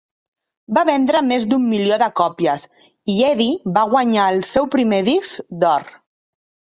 Va vendre més d'un milió de còpies i Eddy va guanyar el seu primer disc d'or.